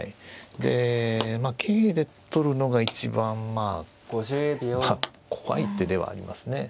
でまあ桂で取るのが一番まあ怖い手ではありますね。